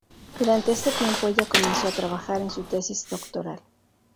Durante este tiempo ella comenzó a trabajar en su tesis doctoral.